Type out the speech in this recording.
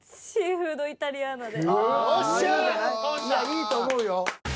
いいと思うよ。